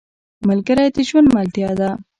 ملګری د ژوند ملتیا ده